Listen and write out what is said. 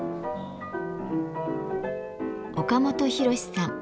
岡本啓さん。